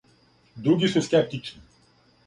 Други су скептичнији.